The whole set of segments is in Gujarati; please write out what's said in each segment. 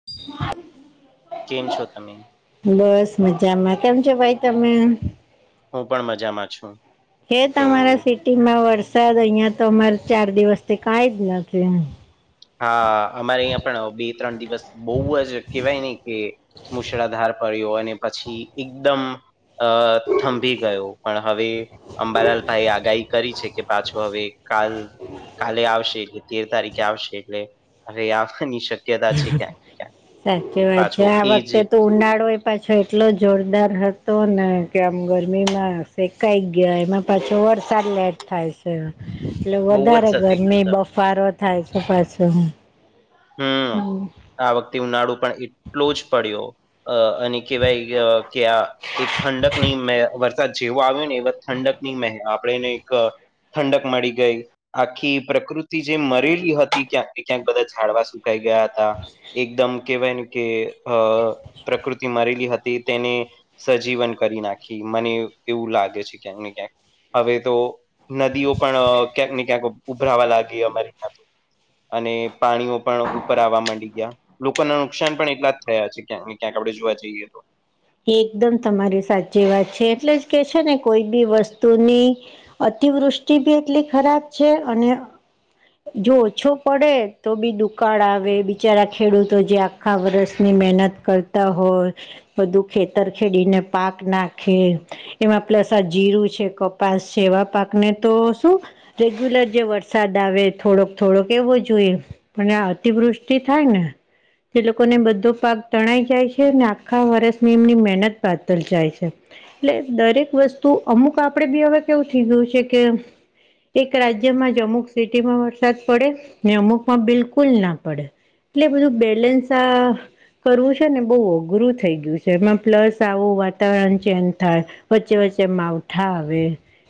[unintelligible] કેમ છો તમે? બસ મજામાં કેમ છો ભાઈ તમે? હું પણ મજામાં છું. છે તો તમારા સિટીમાં વરસાદ અહિયાં તો અમારે ચાર દિવસથી કાંઈ જ નથી. હા અમારે અહીયા પણ બે ત્રણ દિવસ બહુ જ કેવાય ને કે મુશળાધાર પડ્યો હોય અને પછી એકદમ અ થંભી ગયો પણ હવે અંબાલાલ ભાઈ આગાહી કરી છે કે પાછો હવે કાલ કાલે આવશે એ તેર તારીખે આવશે એટલે હવે આવવા ની શક સાચી વાત પાછો છે આ એજ વખતે તો ઉનાળોય પાછો એટલો જોરદાર હતો ને કે આમ ગરમીમાં શેકાઈ ગયા એમાં પાછો વરસાદ લેટ થાય છે. એટલે બહુ જ વધારે સત્ય કીધું ગરમી તમે બફારો થાય છે પાછો. હમ [unintelligible] આ વખતે ઉનાળો પણ એટલો જ પડ્યો. અ અને કેવાય કે આ એક ખંડક ની મેં વરસાદ જેવો આવ્યો ને એ [unintelligible] ઠંડક ની મે આપણે નહિ ક ઠંડક મળી ગઈ, આખી પ્રકૃતિ જે મરેલી હતી ક્યાંક ને ક્યાંક કદાચ ઝાડવા સુકાઈ ગયા હતા એકદમ કેવાયને કે અ પ્રકૃતિ મરેલી હતી તેને સજીવન કરી નાખી મને એ એવું લાગે છે ક્યાંક ને ક્યાંક હવે તો નદીઓ પણ ક્યાંક ને ક્યાંક ઉભરાવા લાગી અમારે [unintelligible] અને પાણીઓ પણ ઉપર આવવા મંડી ગ્યા. લોકો ના નુકસાન પણ એટલા જ થયા છે ક ને ક્યાંક આપડણે જોવા જઈએ તો. એ એકદમ તમારી સાચી વાત છે એટલે જ કે છે ને કોઈ બી વસ્તુની અતિવૃષ્ટિ બી એટલી ખરાબ છે અને જો ઓછો પડે તો બી દુકાળ આવે બિચારા ખેડૂતો જે આખા વરષની મહેનત કરતા હોય. બધું ખેતર ખેડીને પાક નાખે. એમાં પ્લસ આ જીરું છે કપાસ છે એવા પાક ને તો શું રેગ્યુલર જે વરસાદ આવે થોડોક થોડોક એવો જોઈએ. પણ આ અતિવૃષ્ટિ થાય ને, તે લોકોને બધો પાક તણાઈ જાય છે ને આખા આ વર્ષની એમની મહેનત બાતલ જાય છે. એટલે દરેક વસ્તુ અમુક આપડે બી હવે કેવું થઈ ગયું છે કે એક રાજ્યમાં જ અમુક સિટીમાં વરસાદ પડે ને અમુકમાં બિલકુલ ના પડે. એટલે બધું બેલેન્સ આ કરવું છે ને બહ અઘરું થઈ ગયું છે એમાં પ્લસ આવું વાતાવરણ ચેન્જ થાય, વચ્ચે વચ્ચે માવઠા આવે.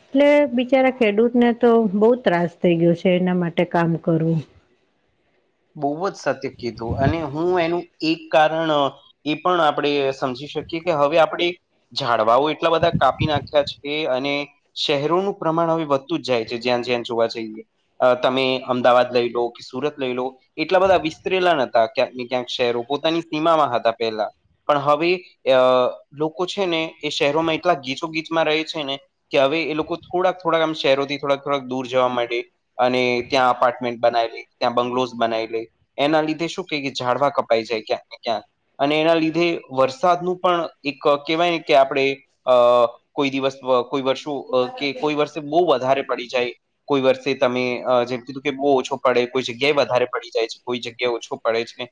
એટલે બિચારા ખેડૂતને તો બહુ ત્રાસ થઇ ગયો છે એના માટે કામ કરવું. બહુ જ સત્ય કીધું અને હું એનું એક કારણ એ પણ આપણે સમજી શકીએ કે હવે આપણે ઝાડવાઓ એટલા બધા કાપી નાખ્યા છે અને શહેરોનું પ્રમાણ હવે વધતું જ જાય છે જ્યાં જ્યાં જોવા જઈએ. તમે અમદાવાદ લઈ લો કે સુરત લઈ લો, એટલા બધા વિસ્તરેલા નથી. ક્યાંક ને ક્યાંક શહેરો પોતાની સીમામાં હતા પહેલા. પણ હવે, અ લોકો છે ને એ શહેરોમાં એટલા ગીચો ગીચમાં રહે છે ને. કે હવે એ લોકો થોડાક થોડાક આમ શહેરોથી થોડાક થોડાક દૂર જવા માટે. અને ત્યાં અપાર્ટમેન્ટ બનાવેલી ત્યાં બંગ્લોઝ બનાવી લે, એના લીધે શું ક કે ઝડવા કપાઈ જાય ક્યાંક ને ક્યાં. અને એના લીધે વરસાદનું પણ એક કહેવાયને કે આપણેે અ કોઈ દિવસ કોઈ વર્ષો કે કોઈ વર્ષ બ વધારે પડી જાય, કોઈ વર્ષે તમે જેમ કીધું કે બહુ ઓછો પડે કોઈ જગ્યાએ વધારે પડી જાય છે કોઈ જગ્યા ઓછો પડે છે ને.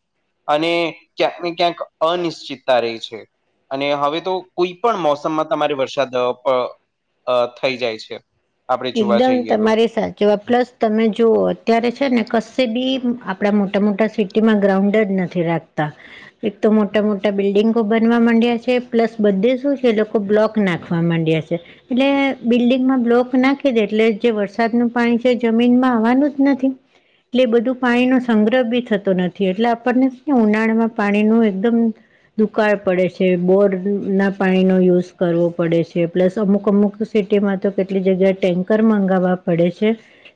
અને ક્યાંક ને ક્યાંક અનિશ્ચિતતા રહી છે. અને હવે તો કોઈ પણ મોસમમાં તમારે વરસાદ અ થઈ જાય છે. આપણે જોવા એકદમ જઈએ તો તમારી સા જવા પ્લસ તમે જુઓ અત્યારે છે ને કશે બી આપડા મોટા મોટા સીટ માં ગ્રાઉન્ડ જ નથી રાખતા. એક તો મોટા મોટા બિલ્ડિંગો બનવા માંડ્યા છે પ્લસ બધે શું છે લોકો બ્લોક નાખવા માડ છે, એટલે બિલ્ંગ બ્લોક નાખ એટલે જે વરસાદનું પાણી છે જમીનમાં આવવાનું જ નથી. એટલે બધું પાણીનો સંગ્રહ બી થતો નથી એટલે આપણને ને ઉનાળામાં પાણી નું એકદમ દુકાય પડે છે બોર ના પાણીનો યુઝ કરવો પડે છે પ્લસ અમુક અમુક સિટીમાં તો કેટલી જગ્યાએ ટેન્કર મંગાવવા પડે છે.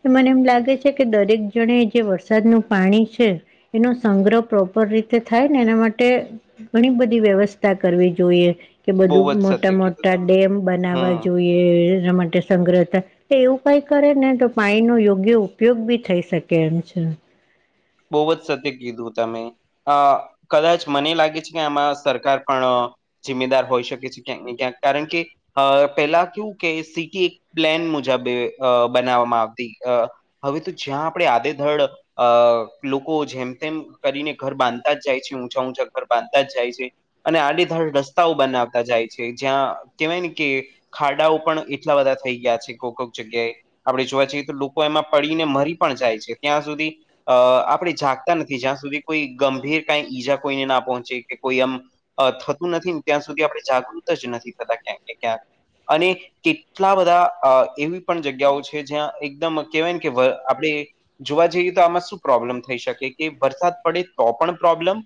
મને એમ લાગે છે કે દરેક જણે જે વરસાદનું પાણી છે. એનો સંગ્રહ પ્રોપર રીતે થાય ને એના માટે ઘણી બધી વ્યવસ્થા કરવી જોઈએ, કે બહુ બધું જ મોટા સત્ય કીધું મોટા તમે ડેમ બનાવવા હમ જોઈએ. એના માટે સંગ્રહ એવું કાય કરે ને તો પાણી નો યોગ્ય ઉપયોગ બી થઈ શકે એમ છે. બહુ જ સત્ય કીધું તમે. હા કદાચ મને લાગે છે કે આમાં સરકાર પણ. જિમ્મેદાર હોઈ શકે છે ક્યાંક ને ક્યાંક કારણ કે. અ પેલા કું કે સિટી એક પ્લેન મુજબ અ બનાવવામાં આવતી અ. હવે તો જ્યાં આપણે આદેધડ અ. લોકો જેમ તેમ કરીને ઘર બાંધતા જ જાય છે ઊંચા ઊંચા ઘર બાંધતા જ જાય છે. અને આડેધડ રસ્તાઓ બનાવતા જાય છે જ્યાં કેહેવાય ને કે. ખાડાઓ પણ એટલા બધા થઈ ગયા છે કોક કોક જગ્યાએ. આપણે જોવા જઈએ તો લોકો એમાં પડીને મરી પણ જાય છે ત્યાં સુધી અ આપણે જાગતા નથી જ્યાં સુધી કોઈ ગંભીર કાઈ ઈજા કોઈને ના પહોંચે કે કોઈ એમ. થતું નથી ને ત્યાં સુધી આપણે જાગૃત જ નથી થતા ક્યાંક ને ક્યાંક અને. કેટલા બધા એવી પણ જગ્યાઓ છે જ્યાં એકદમ કહેવાયને કે આપણે. જોવા જઈએ તો આમાં શું પ્રોબ્લેમ થઈ શકે કે વરસાદ પડે તો પણ પ્રોબ્લેમ.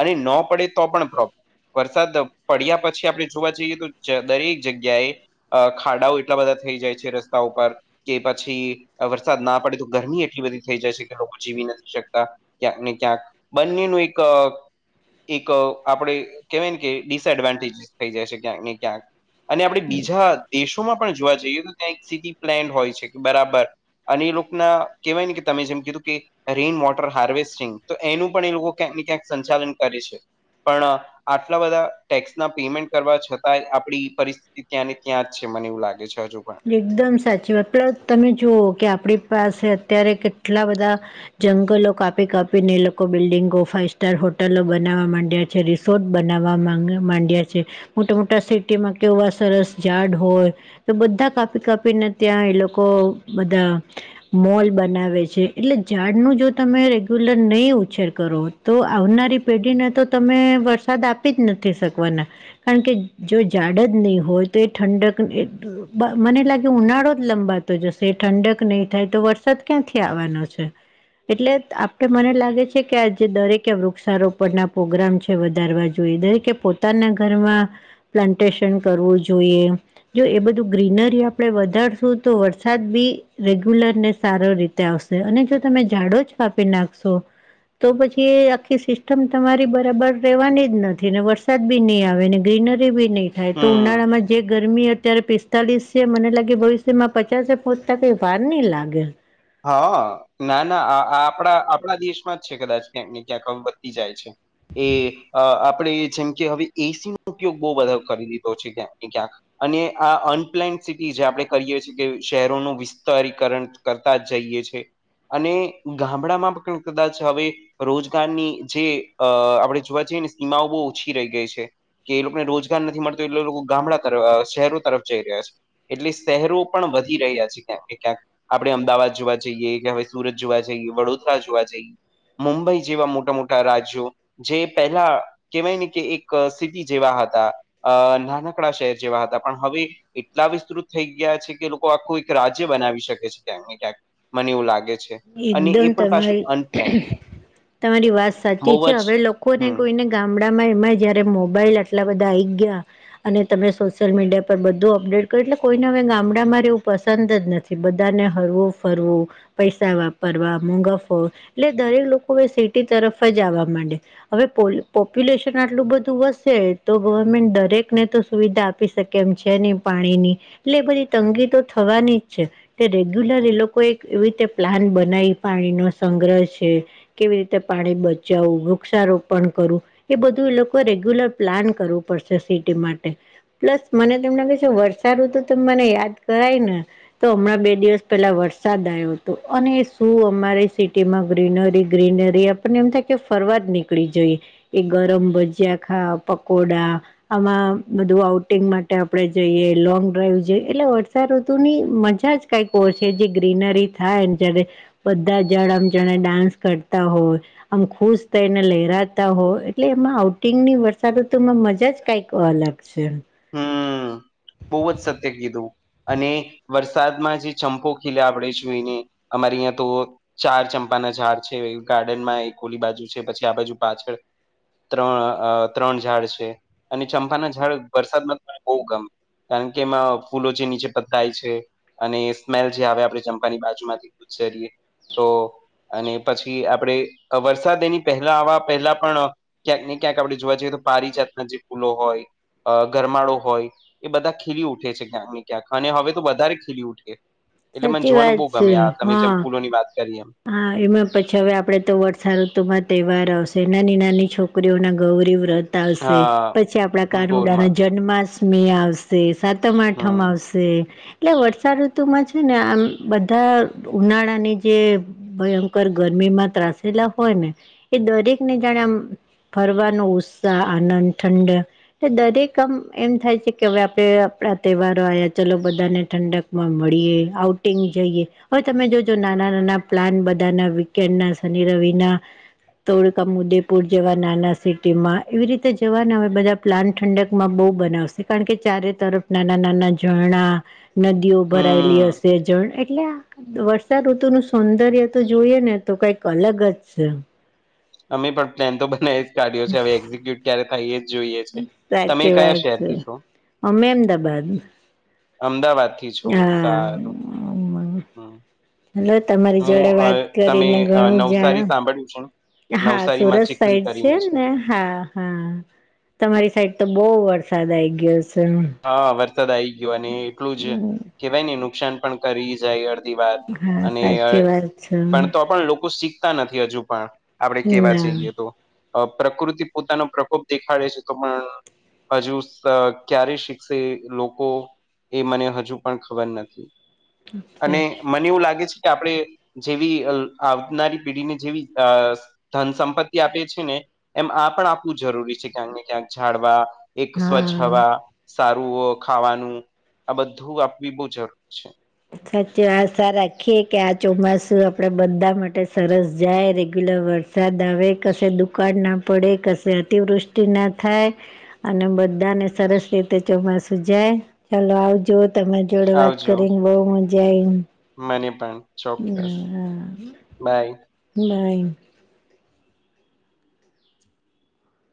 અને નો પડે તો પણ પ્રોપ વરસાદ પડ્યા પછી આપણે જોવા જઈએ તો દરેક જગ્યાએ. અ ખાડાઓ એટલા બધા થઈ જાય છે રસ્તા ઉપર. કે પછી વરસાદ ના પડે તો ગરમી એટલી બધી થઈ જાય છે કે લોકો જીવી નથી. શકતા ક્યાંક ને ક્યાંક બંને નુ એક. એક આપડે કેહેવાય કે ડિસએડવાન્ટેજ થઈ જાય છે ક્યાંક ને ક્યાંક. અને આપણે બીજા દેશોમાં પણ જોવા જઈએ તો ત્યાં એક સિટી પ્લેન હોય છે બરાબર. અને એ લોકો ના કહેવાય ને કે તમે જેમ કીધું કે. રેઇન વોટર હાર્વેસ્ટિંગ તો એનું પણ એ લોકો ક્યાંક ને ક્યાંક સંચાલન કરે છે પણ. આટલા બધા ટેક્સ ના પેમેન્ટ કરવા છતાંય આપડી પરિસ્ ત્યાં ને ક્યાં જ છે મને એવું લાગે છે હજુ પણ. એકદમ સાચી વાત પ્લસ તમે જુઓ કે આપણી પાસે અત્યારે કેટલા બધા. જંગલો કાપી કાપીને એ લોકો બિલ્ડિંગો ફાાઈવ સ્ટાર હોટલો બનાવા માંડ્યા. જે રિસોર્ટ બનાવવા માંગ માંડ્યા છે. મોટા મોટા સિટીમાં કેવવા સરસ ઝાડ હોય તો બધા. કાપી કાપીને ત્યાં એ લોકો બધા. મોલ બનાવે છે એટલે ઝાડનું જો તમે રેગ્યુલર નહીં ઉછેર કરો. તો આવનારી પેઢીને તો તમે વરસાદ આપી જ નથી શકવાના. કારણ કે જો જાઝડ જ નહીં હોય તો એ ઠંડક એ મને લાગે ઉનાળો જ લંબાતો જશે ઠંડક નહીં થાય તો વરસાદ ક્યાંથી આવવાનો છે. એટલે આપે મને લાગે છે કે આજે દરેકે વૃક્ષારોપણના પ્રોગ્રામ છે વધારવા જોઈ દઈ કે પોતાના ઘરમાં પ્લાન્ટેશન કરવું જોઈએ જો એ બધું ગ્રીનરી આપડે વધારશું તો વરસાદ બી રેગ્યુલર ને સારો રે, આવશે અને જો તમે ઝાડો જ કાપી નાખશો, તો પછી એ આખી સિસ્ટમ તમારી બરાબર રેવાની જ નથી ને વરસાદ બી ની આવે ને, ગ્રીનરી બી નહી થાય તો હમ ઉનાળામાં જે ગરમી અત્યારે પ તાલીસે મને લાગે ભવિષ્યમાં પચાસએ પહોંચતા કંઈ વાર નહી લાગે. હા ના ના આ આપણા આપણા દેશમાં જ છે કદાચ ક્યાંક ને ક્યાંક વધતી જાય છે. એ આપણે જેમ કે હવે એસીનો ઉપયોગ બહુ બધા કરી દીધો છે ક્યાંક ને ક્યાંક, અને આ અનપ્લેન્ડ સિટી જે આપણે કરીએ છીએ કે શહેરોનું વિસ્તારીકરણ કર તા જઈએ છે અને ગામડામાં પણ કદાચ હવે, રોજગારની જે અ આપણે જોવા જઈએ ને સીમાઓ બહુ ઓછી રહી ગઈ છે. કે એ લોકોને રોજગાર નથી મળતો એટલે એ લોકો ગામડા તરફ શહેરો તરફ જઈ રહ્યા છે. એટલે શહેરો પણ વધી રહ્યા છે ક્યાંક ને ક્યાંક. આપણે અમદાવાદ જોવા જઈએ કે હવે સુરત જોવા જઈએ વડોદરા જોવા જઈએ. મુંબઈ જેવા મોટા મોટા રાજ્યો જે પહેલા કેવાય ને કે એક સિટી જેવા હતા અ નાનકડા શહેર જેવા હતા પણ હવે એટલા વિસ્તૃત થઈ ગયા છે કે લોકો આખું એક રાજ્ય બનાવી શકે છે. ક્યાંક ને ક્યાંક મને એવું લાગે છે. અને એકદમ એ પણ પાછું તમારી અનપ્લેન્ડ તમારી વાત સાચી બહુ છે જ હવે લોકોને હમ કોઈને ગામડામાં એમાં જયારે મોબાઈલ આટલા બધા આઇ ગ્યા અને તમે સોશિયલ મીડિયા પર બધું અપડેટ કર એટલે કોઈને હવે ગામડામાં રહેવું પસંદ જ નથી. કે બધાને હરવું ફરવું પૈ [unintelligible] વાપરવા મોંઘા ફોન એટલે દરેક લોકો હવે સિટી તરફ જ આવવા માંડયા. હવે પોલ્યુ પોપ્યુલેશન આટલું બધું વધશે તો ગવર્મેન્ટ દરેકને તો સુવિધા આપી શક કેમ છે નહી પાણીની એટલે બધી તંગી તો થવાની જ છે. તે રેગ્યુલર એ લોકો એક એવી રીતે પ્લાન બનાવી પાણીનો સંગ્રહ છે. કેવી રીતે પાણી બચાવું વૃક્ષારોપણ કરું. એ બધું એ લોકો રેગ્યુલર પ્લાન કરવું પડશે સિટી માટે. પ્લસ મને તો એમ લાગે છે વર્ષાઋતુ તો મને યાદ કરાય ને તો હમણાં બે દિવસ પહેલા વરસાદ આયો. તો અને શું અમારી સિટીમાં ગ્રીનરી ગ્રીનરી આપણને એમ થાય કે ફરવા જ નીકળી જોઈએ. એ ગરમ ભજીયા ખાવ પકોડા આમાં બધું આઉટિંગ માટે આપણે જઈએ, લોંગ ડ્રાઈવ જઈ એટલે વર્ષાઋતુની મજા જ કંઈક હોય છે જે ગ્રીનરી થાય અને જ્યારે બધા જ ઝાડ આમ જાણે ડાન્સ કરતા હોય. આમ ખુશ થઈને લહેરાતા હોય એટલે એમાં આઉટિંગની વર્ષાઋતુમાં મજા જ કઈક અલગ. છે. હા બહુ જ સત્ય કીધું. અને વરસાદમાં જે ચંપો ખીલે આપણેે જોઈને અમારે યા તો ચાર ચંપાના ઝાડ છે ગાર્ડનમાં એક ઓલી બાજુ છે પછી આ બાજુ પાછળ ત્રણ અ ત્રણ ઝાડ છે અને ચંપાના ઝાડ વરસાદમાં બહુ ગમ કારણ કે એમાં ફૂલો જે નીચે પથરાય છે અને એ સ્મેલ જે આવે આપણે ચંપાની બાજુમાંથી ગુજરીએ તો અને પછી આપણે વરસાદ એની પહેલા આવવા પહેલા પણ ક્યાંક ને ક્યાંક આપણે જોવા જઈએ તો પારીજાતના જે ફૂલો હોય અ ગરમાળો હોય. એ બધા ખીલી ઉઠે છે ક્યાંને ક્યાંક અને હવે તો વધારે ખીલી ઉઠે. એટલે મને સાચી જોવાનું વાત બહુ છે ગમે આ તમે જેમ હા ફૂલોની વાત કરી એમ હા એમાં પછી હવે આપડે તો વર્ષાઋતુમાં તહેવાર આવશે નાની નાની છોકરીઓના ગૌરી વ્રત. ચાલશે, હા પછી આપણા કાનુડા ના ગોરમાં જન્માષ્ટમી આવશે. તે સાતમ આઠમ હમ આવશે. એટલે વર્ષા ઋતુમાં છે ને આમ બધા ઉનાળાની જે. ભયંકર ગરમીમાં ત્રાસેલા હોય ને એ દરેકને જાણે આમ ફરવાનો ઉત્સાહ આનંદ ઠંડ. દરેક આમ એમ થાય છે કે હવે આપણે આપણા તહેવારો આવ્યા ચલો બધાને ઠંડક. માં મળીએ આઉટિંગ જઈએ હવે તમે જોજો નાના નાના. પ્લાન બધાના વીકેન્ડ ના શનિ રવિના. તોડકા ઉદેપુર જવા નાના સિટી માં એવી રીતે જવા ને હવે બધા. પ્લાન ઠંડક માં બહુ બનાવશે કારણ કે ચારે તરફ નાના નાના ઝરણા. નદીઓ ભરાયેલી હમ હશે જણ એટલે વરસાદ ઋતુ નુ શ. સૌંદર્ય તો જોઈએ ને તો કઈક અલગ જ છે. અમે પણ પ્લાન તો બનાવી જ કાઢી્યો છે હવે એક્ઝિક્યુટ ક્યારે થઈએ જ. જોઈએ છે તમે સાચી કયા વાત છે શહેરથી છો. અમે અમદાબાદ અમદાવાદ થી છો હા સારું હમ. હલો તમારી હું જોડે અ વાત તમે કરીને અ, ઘણું જાણો. નવસારી સાંભળ્યું છે ને? હા નવસારીમાં સુરત ચીખલી સાઈડ છે કરીને ને. હા હા તમારી સાઈડ તો બહુ વરસાદ આઈ ગયો છે. હા વરસાદ આ આવી ગયો અને એટલું જ કેહેવાય ને નુકસાન પણ કરી જાય. હા અને સાચી વાત છે પણ તો પણ લોકો શીખ. નથી હજુ પણ આપડે કેવા ના જઈએ તો. પ્રકૃતિ પોતાનો પ્રકોપ દેખાડે છે તો પણ હજુ ક્યારે. શ લોકો એ મને હજુ પણ ખબર નથી. અને મને એવું લાગે છે કે આપડે. જેવી આવનારી પેઢીને જેવી. ધન સંપત્તિ આપે છે ને એમ આ પણ આપવું જરૂરી છે ક્યાંક ને ક્યાંક જાડવા. એક હા સ્વચ્છ હવા સારું ખાવાનું આ બધું આપવી બહુ જરૂર છે. સાચી આશા રાખીએ કે આ ચોમાસું આપડે બધા માટે સરસ જાય રેગ્યુલર વર્ષ. વસાદ આવે ક દુકાળ ના પડે કશે અતિવૃષ્ટિ ના થાય. અને બધાને સરસ રીતે ચોમાસું જાય ચાલો આવજો. તમારી જોડે વાત આવજો કરીને બહુ મજા આવીય ને. મને પણ ચોક્કસ બાય. ના.